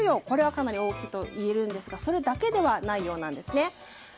これはかなり大きいといえるんですがそれだけではないようなんです。